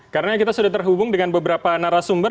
karena kita sudah terhubung dengan beberapa narasumber